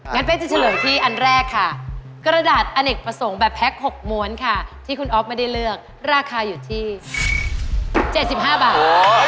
เป๊กจะเฉลยที่อันแรกค่ะกระดาษอเนกประสงค์แบบแพ็ค๖ม้วนค่ะที่คุณอ๊อฟไม่ได้เลือกราคาอยู่ที่๗๕บาท